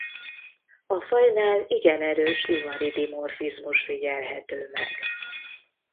A fajnál igen erős ivari dimorfizmus figyelhető meg.